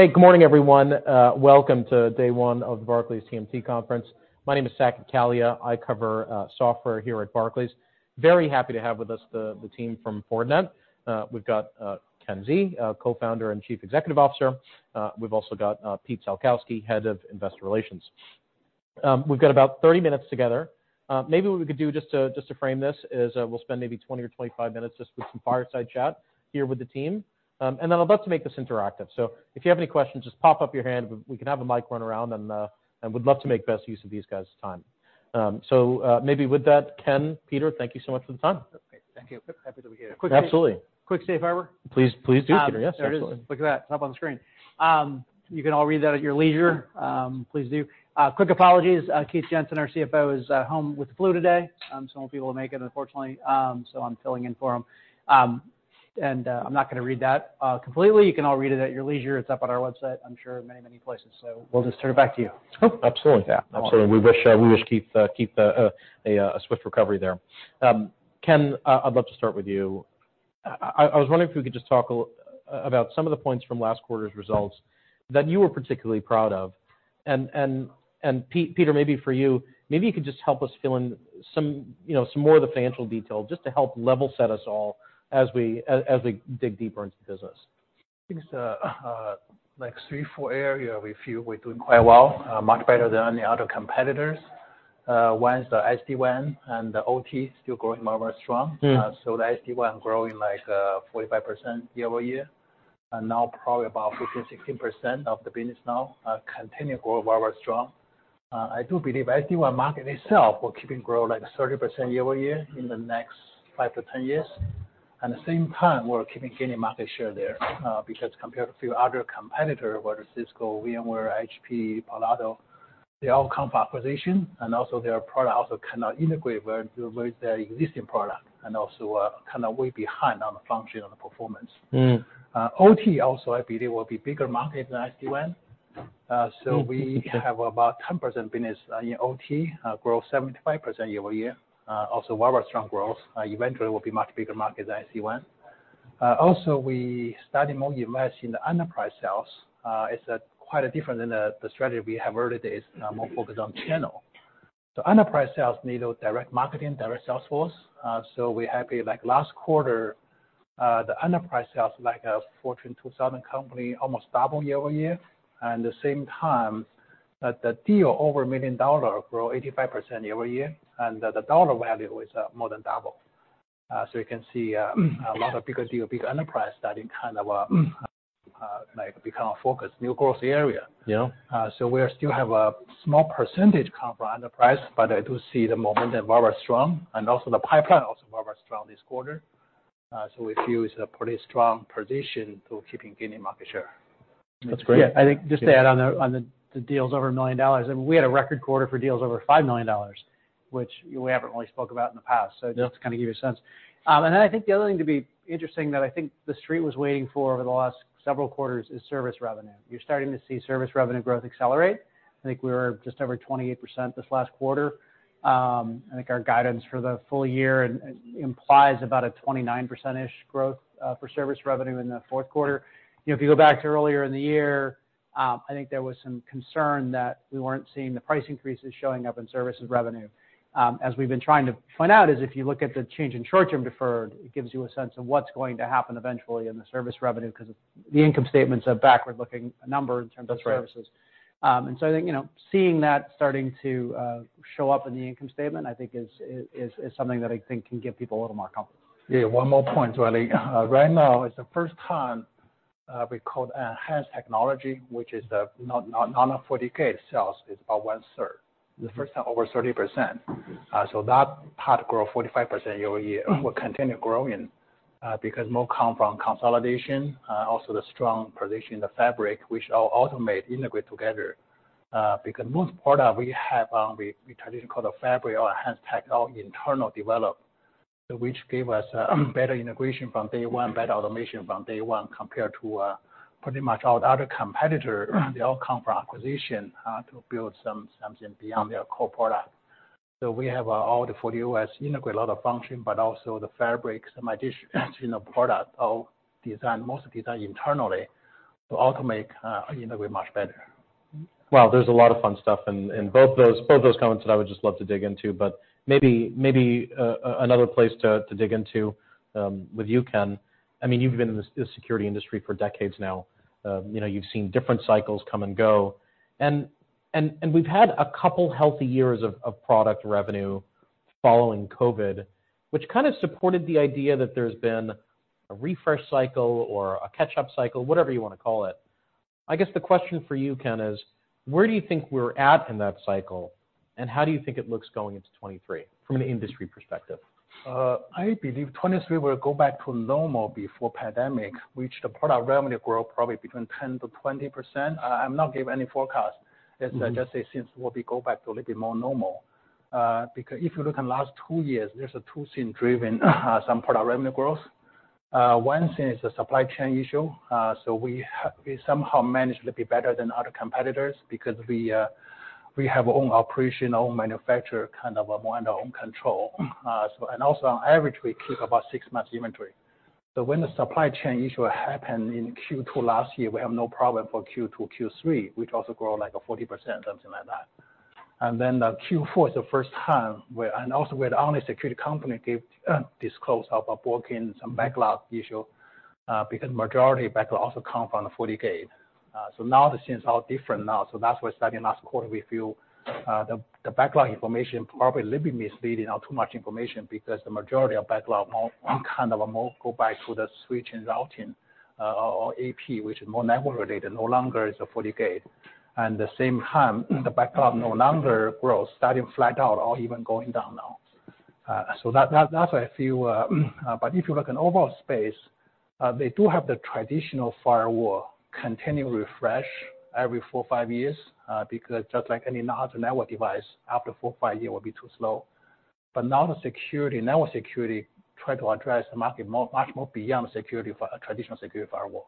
Hey, good morning, everyone. Welcome to day one of the Barclays TMT Conference. My name is Saket Kalia. I cover software here at Barclays. Very happy to have with us the team from Fortinet. We've got Ken Xie, our Co-founder and Chief Executive Officer. We've also got Peter Salkowski, Head of Investor Relations. We've got about 30 minutes together. Maybe what we could do just to frame this is, we'll spend maybe 20 or 25 minutes just with some fireside chat here with the team. I'd love to make this interactive. If you have any questions, just pop up your hand. We can have a mic run around and we'd love to make best use of these guys' time. Maybe with that, Ken, Peter, thank you so much for the time. Okay. Thank you. Happy to be here. Absolutely. Quick safe harbor? Please, please do, Peter. Yes, absolutely. There it is. Look at that. It's up on the screen. You can all read that at your leisure. Please do. Quick apologies. Keith Jensen, our CFO, is home with the flu today. Won't be able to make it, unfortunately. I'm filling in for him. I'm not gonna read that completely. You can all read it at your leisure. It's up on our website, I'm sure many, many places, so we'll just turn it back to you. Oh, absolutely. Yeah. Absolutely. We wish Keith a swift recovery there. Ken, I'd love to start with you. I was wondering if we could just talk about some of the points from last quarter's results that you were particularly proud of. Pete, Peter, maybe for you, maybe you could just help us fill in some, you know, some more of the financial details just to help level set us all as we dig deeper into the business. I think, like 3, 4 area we feel we're doing quite well, much better than the other competitors. One is the SD-WAN and the OT still growing very, very strong. Mm. The SD-WAN growing like 45% year-over-year, and now probably about 15%, 16% of the business now, continue to grow very, very strong. I do believe SD-WAN market itself will keeping grow like 30% year-over-year in the next 5-10 years. At the same time, we're keeping gaining market share there, because compared to a few other competitor, whether Cisco, VMware, HP, Palo Alto Networks, they all come from acquisition, and also their product also cannot integrate well with their existing product and also, kinda way behind on the function and the performance. Mm. OT also I believe will be bigger market than SD-WAN. So we have about 10% business in OT, grow 75% year-over-year. Also very, very strong growth, eventually will be much bigger market than SD-WAN. Also we started more invest in the enterprise sales. It's quite different than the strategy we have earlier days, now more focused on channel. Enterprise sales need a direct marketing, direct sales force. So we're happy, like last quarter, the enterprise sales, like a Forbes Global 2000 company, almost double year-over-year. The same time, the deal over $1 million grow 85% year-over-year, and the dollar value is more than double. You can see, a lot of bigger deal, big enterprise starting kind of, like become a focus, new growth area. Yeah. We are still have a small % come from enterprise, but I do see the momentum very, very strong, and also the pipeline also very, very strong this quarter. We feel is a pretty strong position to keeping gaining market share. That's great. Yeah. I think just to add on the, on the deals over $1 million, and we had a record quarter for deals over $5 million, which we haven't really spoke about in the past. Yeah. Just to kind of give you a sense. I think the other thing to be interesting that I think the Street was waiting for over the last several quarters is service revenue. You're starting to see service revenue growth accelerate. I think we were just over 28% this last quarter. I think our guidance for the full year implies about a 29%-ish growth for service revenue in the fourth quarter. You know, if you go back to earlier in the year, I think there was some concern that we weren't seeing the price increases showing up in services revenue. As we've been trying to point out is if you look at the change in short-term deferred, it gives you a sense of what's going to happen eventually in the service revenue because the income statement's a backward-looking number in terms of services. That's right. I think, you know, seeing that starting to show up in the income statement, I think is something that I think can give people a little more confidence. One more point, right. Right now it's the first time we called Enhanced Technology, which is not under non-FortiGate 40F sales. It's about one-third. The first time over 30%. That part grow 45% year-over-year. Mm. Will continue growing, because more come from consolidation, also the strong position in the Fabric, which all automate, integrate together. Because most product we have, we traditionally call the Fabric or Enhanced Tech, all internal develop, which give us better integration from day one, better automation from day one, compared to pretty much all the other competitor. They all come from acquisition, to build something beyond their core product. So we have all the FortiOS integrate a lot of function, but also the Fabric, semi-discretional product all designed, mostly designed internally to automate, integrate much better. Well, there's a lot of fun stuff in both those comments that I would just love to dig into, but maybe another place to dig into with you, Ken. I mean, you've been in the security industry for decades now. You know, you've seen different cycles come and go. We've had a couple healthy years of product revenue following COVID, which kind of supported the idea that there's been a refresh cycle or a catch-up cycle, whatever you wanna call it. I guess the question for you, Ken, is: Where do you think we're at in that cycle, and how do you think it looks going into 2023 from an industry perspective? I believe 2023 will go back to normal before pandemic, which the product revenue grow probably between 10%-20%. I'm not giving any forecast. Mm. It's just, since we'll be going back to a little bit more normal. Because if you look in last two years, there's a two thing driven, some product revenue growth. One thing is the supply chain issue. We somehow managed to be better than other competitors because We have own operational manufacturer, kind of, more under own control. On average, we keep about six months inventory. When the supply chain issue happened in Q2 last year, we have no problem for Q2, Q3, which also grow like a 40%, something like that. The Q4 is the first time where. We're the only security company give disclose our booking some backlog issue because majority backlog also come from the FortiGate. Now the scenes are different now. That's why starting last quarter, we feel the backlog information probably a little bit misleading or too much information because the majority of backlog more go back to the switch and routing, or AP, which is more network related, no longer is a FortiGate. The same time, the backlog no longer grows, starting flat out or even going down now. That's why I feel. If you look at overall space, they do have the traditional firewall continuing refresh every four, five years, because just like any other network device, after four, five years will be too slow. Now the security, network security try to address the market more, much more beyond security for a traditional security firewall.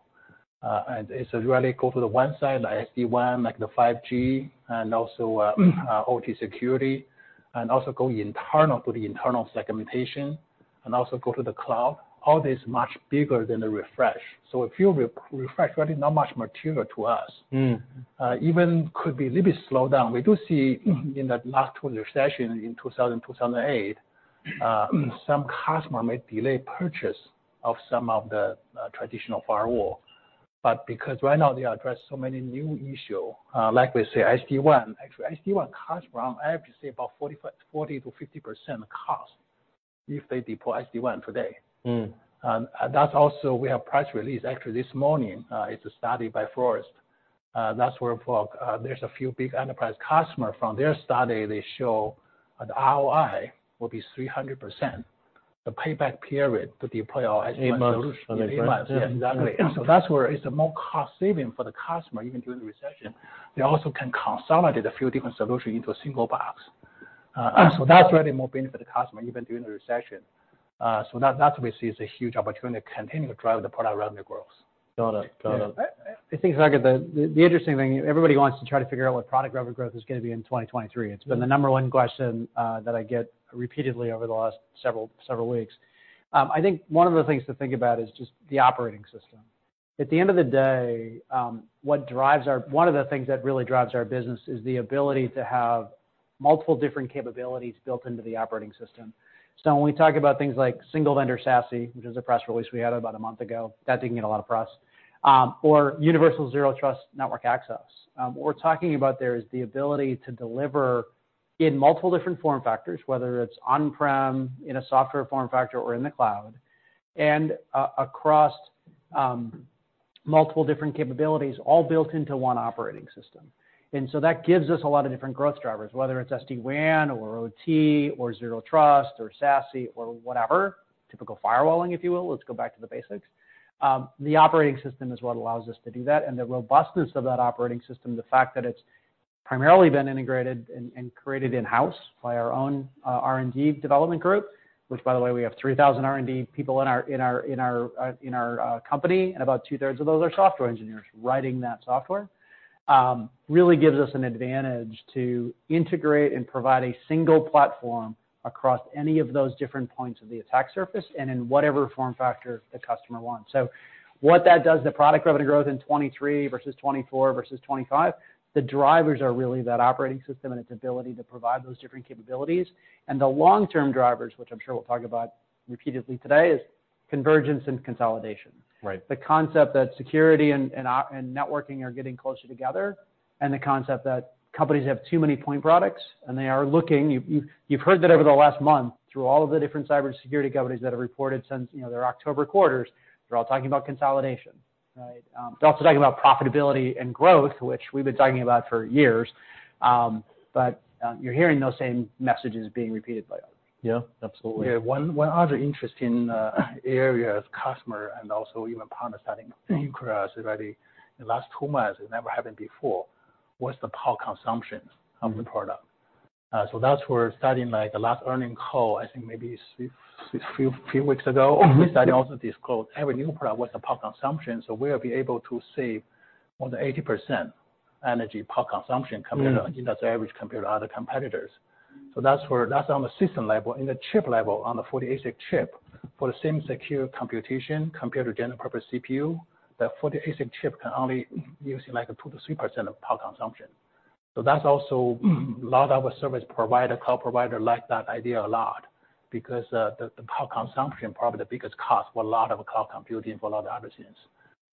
You really go to the WAN side, the SD-WAN, like the 5G, and also, OT security, and also go internal to the Internal Segmentation, and also go to the cloud. All this much bigger than the refresh. If you re-refresh, really not much material to us. Mm. Even could be little bit slowed down. We do see in that last recession in 2002, 2008, some customer may delay purchase of some of the traditional firewall. Because right now they address so many new issue, like we say, SD-WAN. Actually, SD-WAN cost around, I have to say about 40%-50% cost if they deploy SD-WAN today. Mm. That's also we have press release actually this morning. It's a study by Forrester. That's where for, there's a few big enterprise customer from their study, they show an ROI will be 300%. The payback period to deploy our SD-WAN solution. Eight months. Eight months. Yeah. Exactly. That's where it's a more cost saving for the customer, even during the recession. They also can consolidate a few different solution into a single box. That's really more benefit the customer, even during the recession. That we see is a huge opportunity to continue to drive the product revenue growth. Got it. Got it. I think, Zack, the interesting thing, everybody wants to try to figure out what product revenue growth is gonna be in 2023. It's been the number one question that I get repeatedly over the last several weeks. I think one of the things to think about is just the operating system. At the end of the day, one of the things that really drives our business is the ability to have multiple different capabilities built into the operating system. When we talk about things like Single-Vendor SASE, which is a press release we had about a month ago, that didn't get a lot of press, or universal Zero Trust Network Access. What we're talking about there is the ability to deliver in multiple different form factors, whether it's on-prem, in a software form factor or in the cloud, and across multiple different capabilities all built into one operating system. That gives us a lot of different growth drivers, whether it's SD-WAN or OT or Zero Trust or SASE or whatever, typical firewalling, if you will. Let's go back to the basics. The operating system is what allows us to do that. The robustness of that operating system, the fact that it's primarily been integrated and created in-house by our own R&D development group, which by the way, we have 3,000 R&D people in our company, and about two-thirds of those are software engineers writing that software, really gives us an advantage to integrate and provide a single platform across any of those different points of the attack surface and in whatever form factor the customer wants. What that does to product revenue growth in 2023 versus 2024 versus 2025, the drivers are really that operating system and its ability to provide those different capabilities. The long-term drivers, which I'm sure we'll talk about repeatedly today, is convergence and consolidation. Right. The concept that security and networking are getting closer together. The concept that companies have too many point products. They are looking. You've heard that over the last month through all of the different cybersecurity companies that have reported since, you know, their October quarters, they're all talking about consolidation, right? They're also talking about profitability and growth, which we've been talking about for years. You're hearing those same messages being repeated by others. Yeah. Absolutely. Yeah. One other interesting area is customer and also even partner starting to inquire us already the last two months, it never happened before, was the power consumption of the product. That's where starting like the last earning call, I think maybe six few weeks ago. Mm-hmm. We started also disclose every new product, what's the power consumption. We'll be able to save more than 80% energy power consumption compared to industry average, compared to other competitors. That's on the system level. In the chip level, on the FortiASIC chip, for the same secure computation compared to general purpose CPU, the FortiASIC chip can only using like 2% to 3% of power consumption. That's also lot of service provider, cloud provider like that idea a lot because the power consumption probably the biggest cost for a lot of cloud computing, for a lot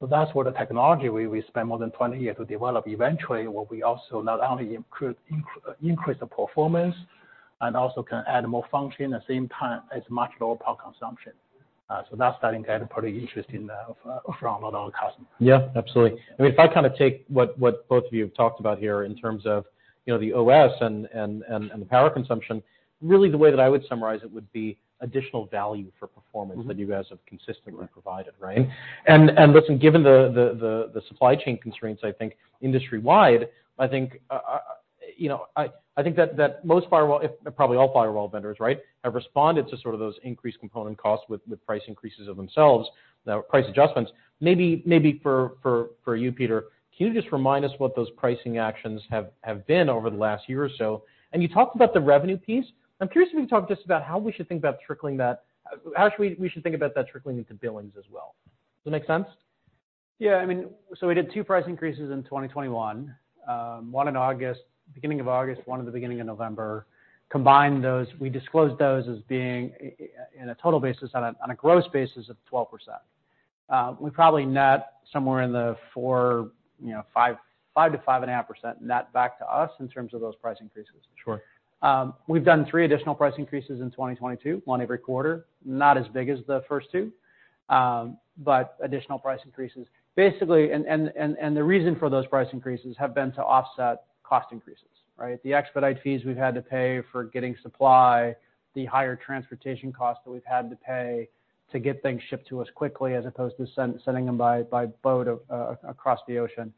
of other things. That's where the technology we spend more than 20 years to develop. Eventually, what we also not only increase the performance and also can add more function at same time, it's much lower power consumption. That's starting to get pretty interesting from a lot of customers. Yeah, absolutely. I mean, if I kind of take what both of you have talked about here in terms of, you know, the OS and the power consumption, really the way that I would summarize it would be additional value for performance that you guys have consistently provided, right? Listen, given the supply chain constraints, I think industry-wide, I think, You know, I think that most firewall, if probably all firewall vendors, right, have responded to sort of those increased component costs with price increases of themselves. Now price adjustments maybe for you, Peter, can you just remind us what those pricing actions have been over the last year or so? You talked about the revenue piece. I'm curious if you can talk just about how should we think about that trickling into billings as well. Does that make sense? Yeah, I mean, we did 2 price increases in 2021. one in August, beginning of August, one in the beginning of November. Combined those we disclosed those as being in a total basis on a gross basis of 12%. we probably net somewhere in the 4, you know, 5%-5.5% net back to us in terms of those price increases. Sure. We've done 3 additional price increases in 2022, one every quarter, not as big as the first 2, but additional price increases. Basically, the reason for those price increases have been to offset cost increases, right. The expedite fees we've had to pay for getting supply, the higher transportation costs that we've had to pay to get things shipped to us quickly as opposed to sending them by boat across the ocean.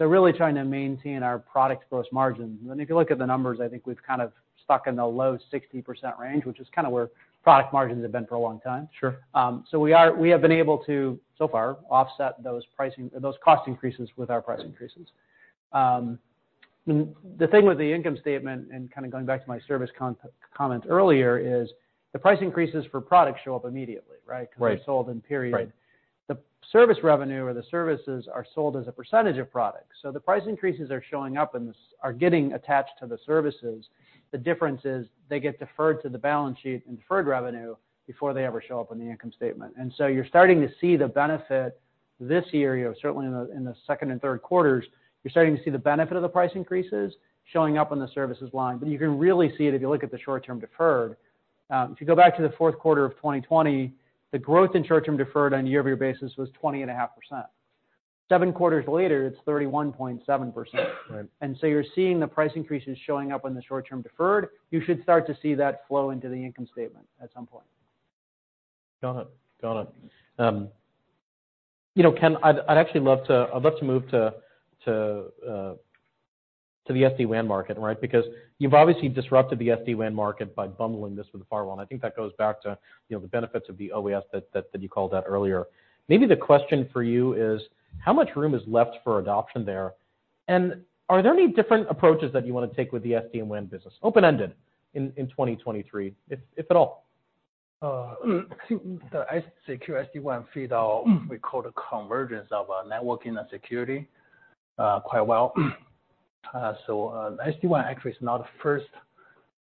Really trying to maintain our product gross margins. If you look at the numbers, I think we've kind of stuck in the low 60% range, which is kinda where product margins have been for a long time. Sure. We have been able to, so far, offset those cost increases with our price increases. The thing with the income statement, and kind of going back to my service comment earlier, is the price increases for products show up immediately, right? Right. 'Cause they're sold in period. Right. The service revenue or the services are sold as a percentage of product. The price increases are getting attached to the services. The difference is they get deferred to the balance sheet in deferred revenue before they ever show up on the income statement. You're starting to see the benefit this year, you know, certainly in the second and third quarters, you're starting to see the benefit of the price increases showing up on the services line. You can really see it if you look at the short-term deferred. If you go back to the fourth quarter of 2020, the growth in short-term deferred on a year-over-year basis was 20.5%. Seven quarters later, it's 31.7%. Right. You're seeing the price increases showing up on the short-term deferred. You should start to see that flow into the income statement at some point. Got it. Got it. You know, Ken, I'd actually love to move to the SD-WAN market, right? Because you've obviously disrupted the SD-WAN market by bumndling this with the firewall, and I think that goes back to, you know, the benefits of the OES that you called out earlier. Maybe the question for you is, how much room is left for adoption there? Are there any different approaches that you wanna take with the SD-WAN business, open-ended, in 2023, if at all? The secure SD-WAN fit our, we call it a convergence of networking and security quite well. SD-WAN actually is not the first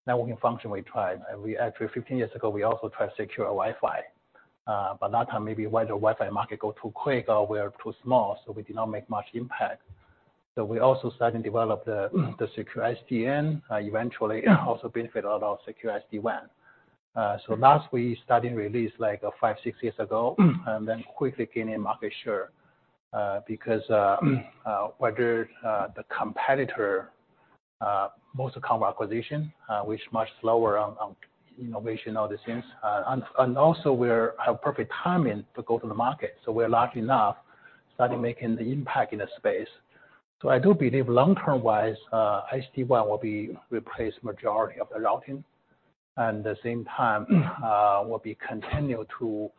networking function we tried. We actually, 15 years ago, we also tried secure Wi-Fi, but that time maybe when the Wi-Fi market go too quick or we're too small, so we did not make much impact. We also started to develop the secure SDN, eventually also benefit a lot of secure SD-WAN. Last we started release like 5, 6 years ago, and then quickly gaining market share because whether the competitor most come acquisition which much slower on innovation, all these things. Also we're have perfect timing to go to the market, so we're large enough, started making the impact in the space. I do believe long-term wise, SD-WAN will be replaced majority of the routing, and the same time, will be continued to,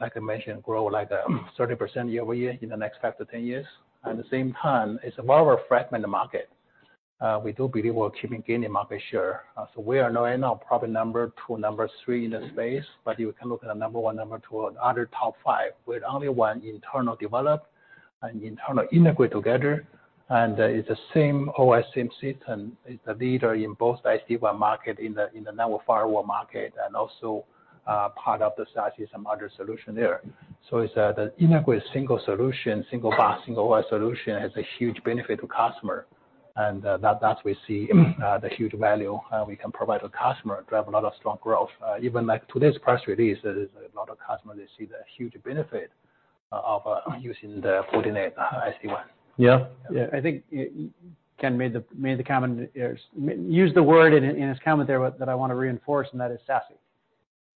like I mentioned, grow like 30% year-over-year in the next 5 to 10 years. At the same time, it's a more fragmented market. We do believe we're keeping gaining market share. So we are knowing our probably number 2, number 3 in the space, but you can look at the number 1, number 2 or other top 5, with only one internal develop and internal integrate together. It's the same OS, same system. It's the leader in both SD-WAN market, in the network firewall market, and also, part of the SASE and other solution there. It's the integrate single solution, single-pass, single wide solution has a huge benefit to customer. That we see the huge value we can provide a customer, drive a lot of strong growth. Even like today's press release, there's a lot of customers they see the huge benefit of using the Fortinet SD-WAN. Yeah. Yeah. I think Ken made the comment there used the word in his comment there that I want to reinforce, and that is SASE,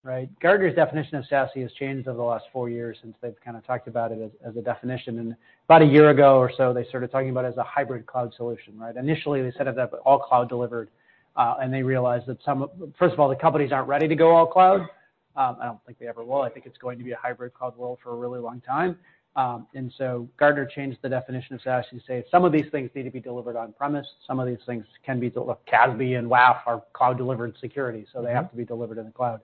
right? Gartner's definition of SASE has changed over the last 4 years since they've kind of talked about it as a definition. About 1 year ago or so, they started talking about it as a hybrid cloud solution, right? Initially, they set it up all cloud delivered, and they realized that First of all, the companies aren't ready to go all cloud. I don't think they ever will. I think it's going to be a hybrid cloud world for a really long time. Gartner changed the definition of SASE to say some of these things need to be delivered on-premise, some of these things can be delivered... CASB and WAF are cloud delivered security, they have to be delivered in the cloud.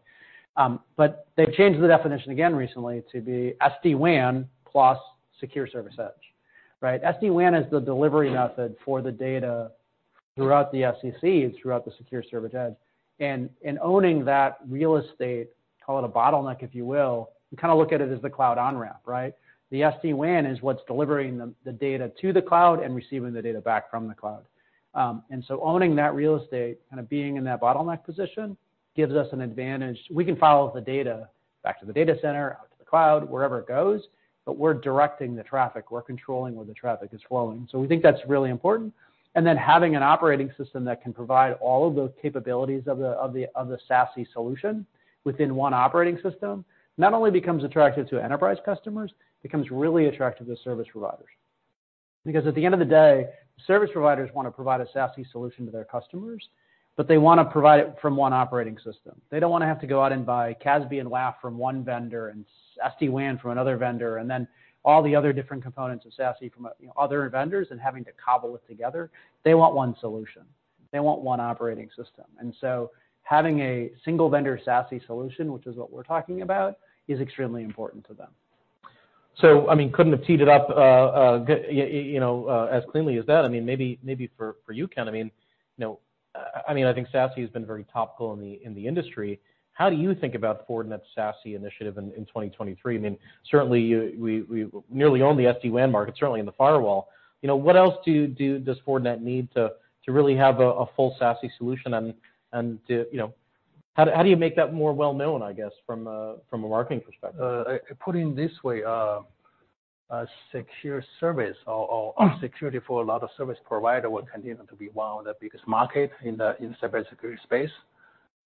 They've changed the definition again recently to be SD-WAN plus Security Service Edge. Right? SD-WAN is the delivery method for the data throughout the Security Service Edge. Owning that real estate, call it a bottleneck, if you will, we kinda look at it as the Cloud On-Ramp, right? The SD-WAN is what's delivering the data to the cloud and receiving the data back from the cloud. Owning that real estate, kinda being in that bottleneck position, gives us an advantage. We can follow the data back to the data center, out to the cloud, wherever it goes, but we're directing the traffic. We're controlling where the traffic is flowing. We think that's really important. Having an operating system that can provide all of the capabilities of the SASE solution within one operating system not only becomes attractive to enterprise customers, becomes really attractive to service providers. At the end of the day, service providers want to provide a SASE solution to their customers, but they want to provide it from one operating system. They don't want to have to go out and buy CASB and WAF from one vendor and SD-WAN from another vendor, and then all the other different components of SASE from, you know, other vendors and having to cobble it together. They want one solution. They want one operating system. Having a Single-Vendor SASE solution, which is what we're talking about, is extremely important to them. I mean, couldn't have teed it up, you know, as cleanly as that. I mean, maybe for you, Ken, I mean, you know, I mean, I think SASE has been very topical in the, in the industry. How do you think about Fortinet's SASE initiative in 2023? I mean, certainly we nearly own the SD-WAN market, certainly in the firewall. You know, what else does Fortinet need to really have a full SASE solution? And, you know, how do you make that more well-known, I guess, from a, from a marketing perspective? I put it this way, a secure service or security for a lot of service provider will continue to be one of the biggest market in the cybersecurity space.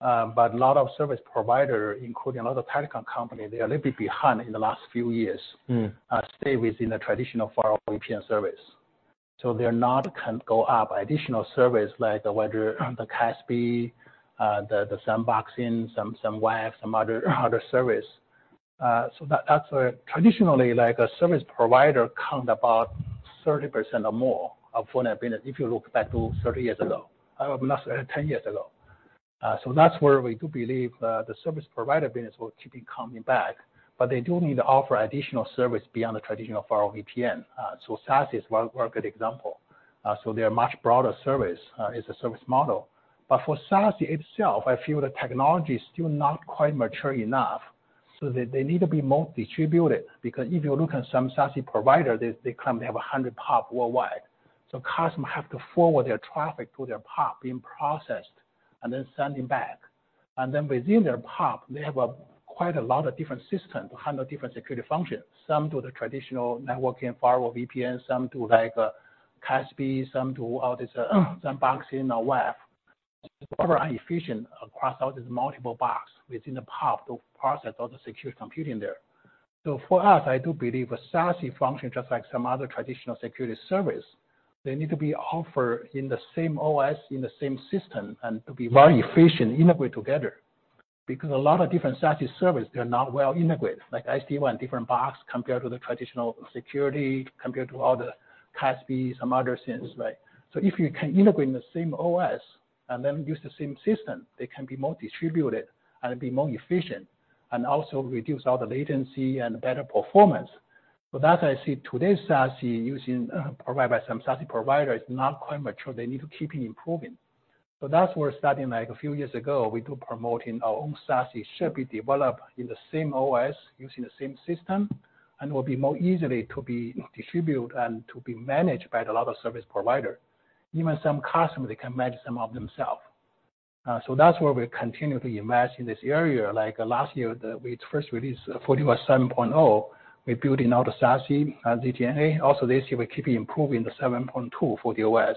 A lot of service provider, including a lot of telecom company, they are a little bit behind in the last few years... Mm. stay within the traditional firewall VPN service. They're not can go up additional service like whether the CASB, the sandboxing, some WAF, some other service. That's where traditionally like a service provider count about 30% or more of Fortinet business if you look back to 30 years ago, not 30, 10 years ago. That's where we do believe the service provider business will keep coming back, but they do need to offer additional service beyond the traditional firewall VPN. SASE is one good example. They are much broader service as a service model. For SASE itself, I feel the technology is still not quite mature enough so that they need to be more distributed. Because if you look at some SASE provider, they claim they have 100 POP worldwide. Customer have to forward their traffic to their POP being processed, and then sending back. Within their POP, they have quite a lot of different system to handle different security functions. Some do the traditional networking firewall VPN, some do like CASB, some do all this sandboxing or WAF. It's super inefficient across all these multiple box within the POP to process all the secure computing there. For us, I do believe a SASE function, just like some other traditional security service, they need to be offered in the same OS, in the same system and to be very efficient, integrate together. A lot of different SASE service, they're not well integrated, like SD-WAN, different box compared to the traditional security, compared to all the CASB, some other things, right. If you can integrate in the same OS and then use the same system, they can be more distributed and be more efficient and also reduce all the latency and better performance. That I see today's SASE using, provided by some SASE provider is not quite mature. They need to keep improving. That's where starting like a few years ago, we do promoting our own SASE should be developed in the same OS, using the same system, and will be more easily to be distributed and to be managed by the lot of service provider. Even some customer, they can manage some of themselves. That's where we continually invest in this area. Like last year, we first released FortiOS 7.0, we build in all the SASE, ZTNA. This year, we're keeping improving the 7.2 FortiOS,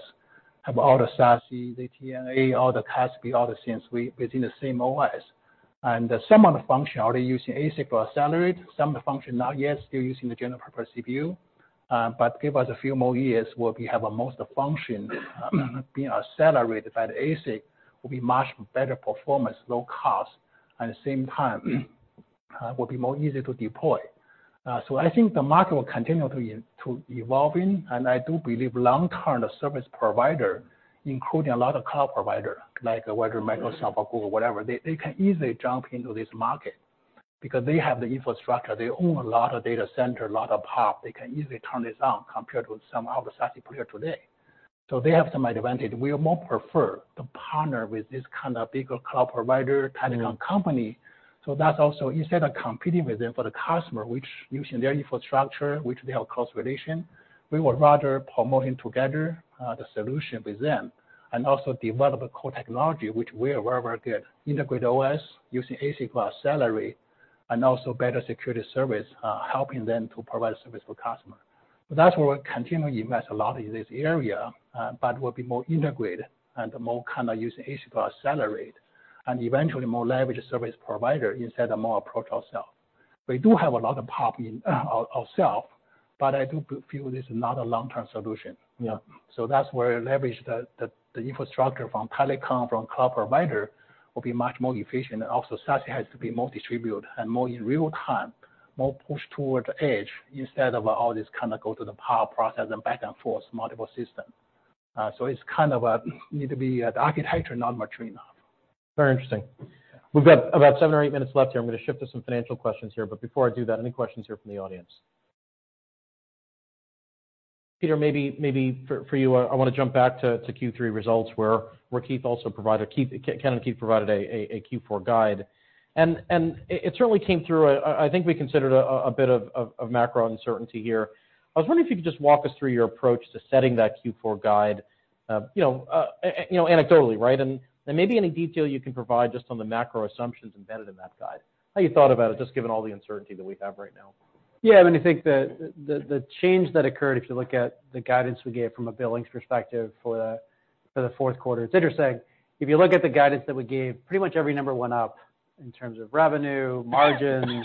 have all the SASE, ZTNA, all the CASB, all the things within the same OS. Some of the function already using ASIC for accelerate, some of the function not yet, still using the general purpose CPU. Give us a few more years, where we have a most function being accelerated by the ASIC, will be much better performance, low cost, at the same time, will be more easier to deploy. I think the market will continue to evolving, and I do believe long-term, the service provider, including a lot of cloud provider, like whether Microsoft or Google, whatever, they can easily jump into this market because they have the infrastructure. They own a lot of data center, lot of POP. They can easily turn this on compared with some of the SASE provider today. They have some advantage. We are more prefer to partner with this kind of bigger cloud provider telecom company. That's also, instead of competing with them for the customer, which using their infrastructure, which they have cost relation, we would rather promoting together, the solution with them and also develop a core technology which we are very, very good. Integrate OS using ASIC for accelerate and also better security service, helping them to provide service for customer. That's where we continue to invest a lot in this area, but will be more integrated and more kinda using ASIC for accelerate and eventually more leverage service provider instead of more approach ourself. We do have a lot of POP in ourself, I do feel this is not a long-term solution. Yeah. That's where leverage the infrastructure from telecom, from cloud provider will be much more efficient. Also SASE has to be more distributed and more in real time, more pushed toward the edge instead of all this kinda go to the power process and back and forth multiple system. It's kind of a need to be the architecture not mature enough. Very interesting. We've got about 7 or 8 minutes left here. I'm gonna shift to some financial questions here. Before I do that, any questions here from the audience? Peter, maybe for you, I wanna jump back to Q3 results where Ken and Keith provided a Q4 guide. It certainly came through. I think we considered a bit of macro uncertainty here. I was wondering if you could just walk us through your approach to setting that Q4 guide, you know, you know, anecdotally, right? Maybe any detail you can provide just on the macro assumptions embedded in that guide. How you thought about it, just given all the uncertainty that we have right now. Yeah. I mean, I think the change that occurred, if you look at the guidance we gave from a billings perspective for the fourth quarter, it's interesting. If you look at the guidance that we gave, pretty much every number went up in terms of revenue, margins.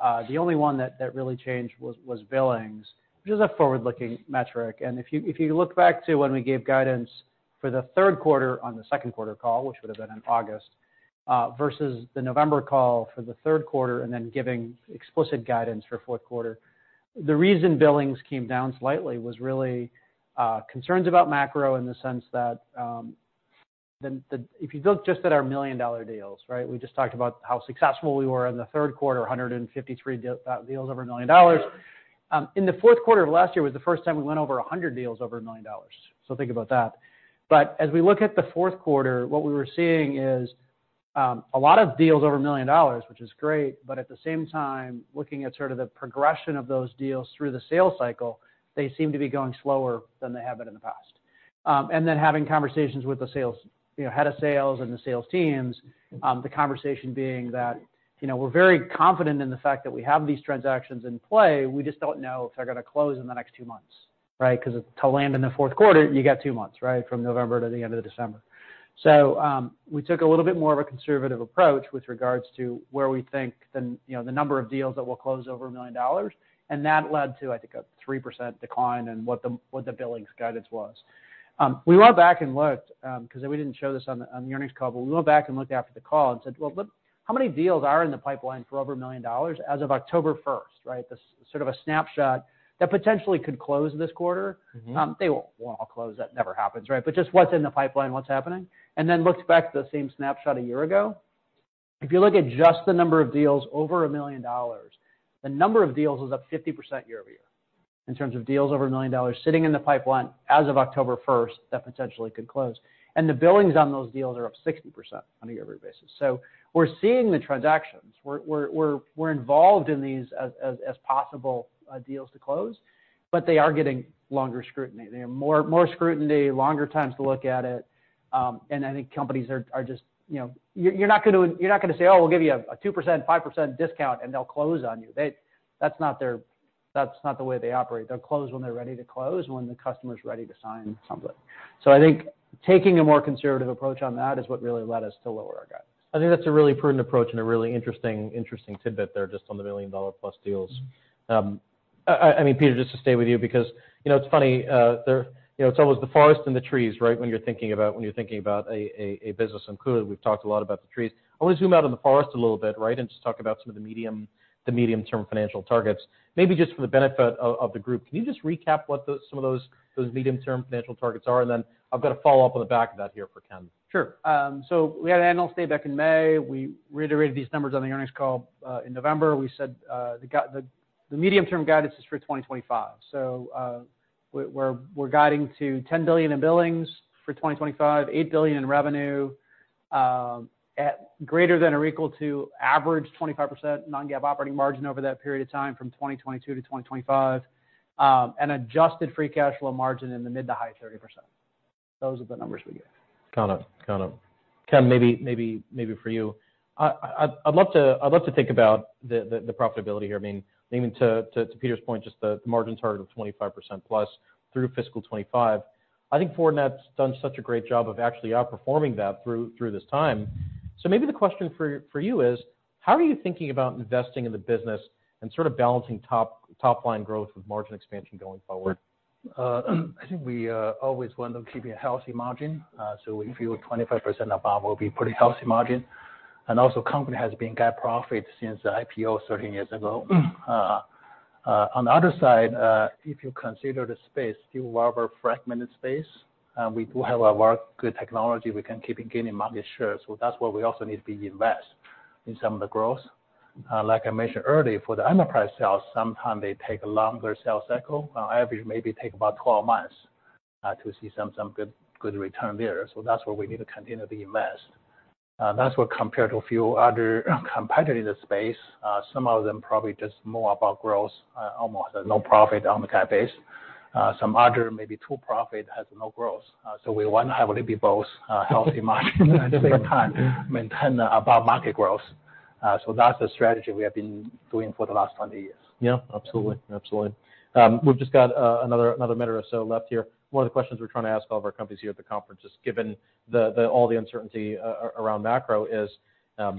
The only one that really changed was billings, which is a forward-looking metric. If you look back to when we gave guidance for the third quarter on the second quarter call, which would have been in August, versus the November call for the third quarter, and then giving explicit guidance for fourth quarter, the reason billings came down slightly was really concerns about macro in the sense that if you look just at our million-dollar deals, right? We just talked about how successful we were in the third quarter, 153 deals over $1 million. In the fourth quarter of last year was the first time we went over 100 deals over $1 million. Think about that. As we look at the fourth quarter, what we were seeing is, a lot of deals over $1 million, which is great, but at the same time, looking at sort of the progression of those deals through the sales cycle, they seem to be going slower than they have been in the past. Then having conversations with the sales, you know, head of sales and the sales teams, the conversation being that, you know, we're very confident in the fact that we have these transactions in play, we just don't know if they're going to close in the next 2 months, right? 'Cause to land in the fourth quarter, you get 2 months, right? From November to the end of December. We took a little bit more of a conservative approach with regards to where we think the, you know, the number of deals that will close over $1 million. That led to, I think, a 3% decline in what the billings guidance was. We went back and looked, 'cause we didn't show this on the, on the earnings call, we went back and looked after the call and said, "Well, look, how many deals are in the pipeline for over $1 million as of October 1st, right?" This sort of a snapshot that potentially could close this quarter. Mm-hmm. They all won't close, that never happens, right? Just what's in the pipeline, what's happening. Then looked back the same snapshot a year ago. If you look at just the number of deals over $1 million, the number of deals was up 50% year-over-year in terms of deals over $1 million sitting in the pipeline as of October 1st, that potentially could close. The billings on those deals are up 60% on a year-over-year basis. We're seeing the transactions. We're involved in these as, as possible deals to close, but they are getting longer scrutiny. They are more scrutiny, longer times to look at it. I think companies are just, you know... You're not gonna say, "Oh, we'll give you a 2%, 5% discount," and they'll close on you. That's not the way they operate. They'll close when they're ready to close, when the customer's ready to sign something. I think taking a more conservative approach on that is what really led us to lower our guidance. I think that's a really prudent approach and a really interesting tidbit there just on the $1 million-plus deals. I mean, Peter, just to stay with you, because, you know, it's funny, there, you know, it's always the forest and the trees, right? When you're thinking about, when you're thinking about a business included. We've talked a lot about the trees. I wanna zoom out on the forest a little bit, right? Just talk about some of the medium-term financial targets. Maybe just for the benefit of the group, can you just recap what those, some of those medium-term financial targets are? Then I've got a follow-up on the back of that here for Ken. Sure. We had an analyst day back in May. We reiterated these numbers on the earnings call in November. We said the medium-term guidance is for 2025. We're guiding to $10 billion in billings for 2025, $8 billion in revenue, at greater than or equal to average 25% non-GAAP operating margin over that period of time from 2022 to 2025, and adjusted free cash flow margin in the mid to high 30%. Those are the numbers we gave. Got it. Got it. Ken, maybe for you. I'd love to think about the profitability here. I mean, even to Peter's point, just the margin target of 25% plus through fiscal 2025. I think Fortinet's done such a great job of actually outperforming that through this time. Maybe the question for you is, how are you thinking about investing in the business and sort of balancing top-line growth with margin expansion going forward? I think we always want to keep a healthy margin. So if you were 25% above, we'll be pretty healthy margin. Also, company has been GAAP profit since the IPO 13 years ago. On the other side, if you consider the space, still rather fragmented space, we do have a lot good technology we can keep gaining market share. That's why we also need to invest in some of the growth. Like I mentioned earlier, for the enterprise sales, sometimes they take a longer sales cycle. On average, maybe take about 12 months to see some good return there. That's where we need to continue to invest. That's what compared to a few other competitors in the space. Some of them probably just more about growth, almost no profit on the CapEx. Some other maybe two profit has no growth. We want to have a little bit both, healthy margin at the same time, maintain above market growth. That's the strategy we have been doing for the last 20 years. Yeah, absolutely. Absolutely. We've just got another minute or so left here. One of the questions we're trying to ask all of our companies here at the conference is, given the all the uncertainty around macro, I'll,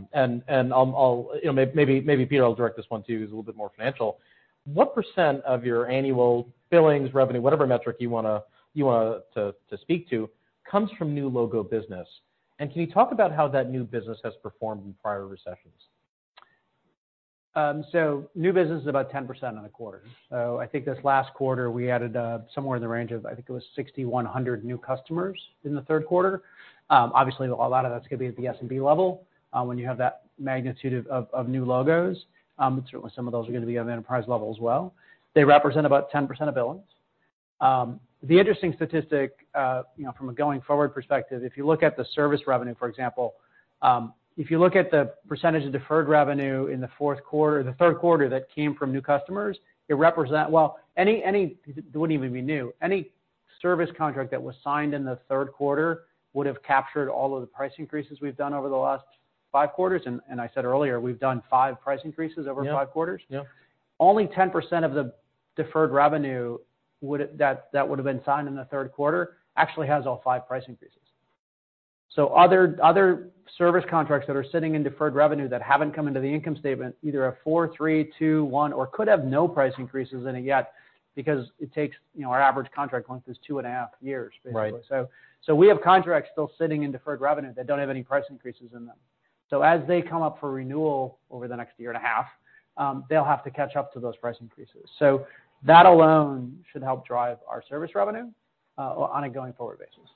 you know, maybe Peter, I'll direct this one to you. It's a little bit more financial. What % of your annual billings, revenue, whatever metric you wanna speak to, comes from new logo business? Can you talk about how that new business has performed in prior recessions? New business is about 10% on the quarter. I think this last quarter, we added somewhere in the range of, I think it was 6,100 new customers in the third quarter. Obviously, a lot of that's gonna be at the S&P level when you have that magnitude of new logos. Certainly some of those are gonna be on the enterprise level as well. They represent about 10% of billings. The interesting statistic, you know, from a going forward perspective, if you look at the service revenue, for example, if you look at the percentage of deferred revenue in the third quarter that came from new customers, it wouldn't even be new. Any service contract that was signed in the third quarter would have captured all of the price increases we've done over the last 5 quarters. I said earlier, we've done 5 price increases over 5 quarters. Yeah. Yeah. Only 10% of Deferred revenue that would have been signed in the third quarter, actually has all 5 price increases. Other service contracts that are sitting in deferred revenue that haven't come into the income statement, either have 4, 3, 2, 1, or could have no price increases in it yet because it takes, you know, our average contract length is 2 and a half years, basically. Right. We have contracts still sitting in deferred revenue that don't have any price increases in them. As they come up for renewal over the next year and a half, they'll have to catch up to those price increases. That alone should help drive our service revenue on a going forward basis.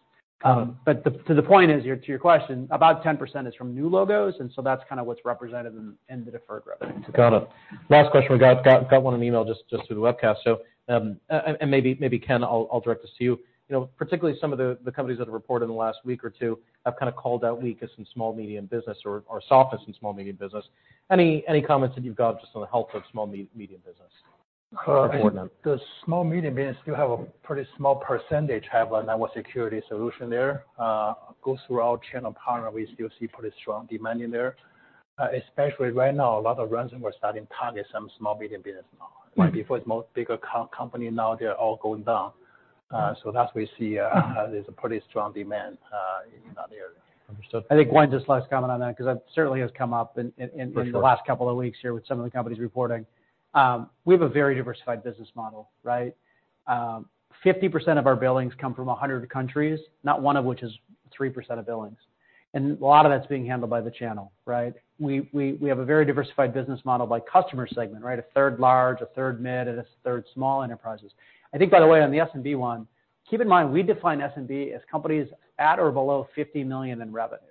The point is, to your question, about 10% is from new logos, and so that's kind of what's represented in the deferred revenue. Got it. Last question. We got one in email just through the webcast. And maybe Ken, I'll direct this to you. You know, particularly some of the companies that have reported in the last week or two have kind of called out weakness in small medium business or softness in small medium business. Any comments that you've got just on the health of small medium business reporting them? The small, medium business do have a pretty small percentage, have a network security solution there. Goes through our channel partner, we still see pretty strong demand in there. Especially right now, a lot of ransomware starting target some small medium business now. Right. Before it's more bigger co-company, now they're all going down. That we see, there's a pretty strong demand in that area. Understood. I think Gwen just last comment on that, 'cause that certainly has come up in. For sure.... the last couple of weeks here with some of the companies reporting. We have a very diversified business model, right? 50% of our billings come from 100 countries, not one of which is 3% of billings. A lot of that's being handled by the channel, right? We have a very diversified business model by customer segment, right? A third large, a third mid, and a third small enterprises. I think, by the way, on the SMB 1, keep in mind, we define SMB as companies at or below $50 million in revenue.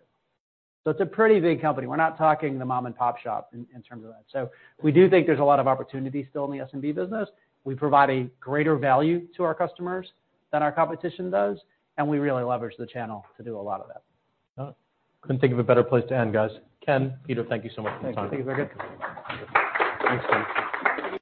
It's a pretty big company. We're not talking the mom and pop shop in terms of that. We do think there's a lot of opportunity still in the SMB business. We provide a greater value to our customers than our competition does, and we really leverage the channel to do a lot of that. All right. Couldn't think of a better place to end, guys. Ken, Peter, thank you so much for your time. Thank you. Thank you very good. Thanks, Ken.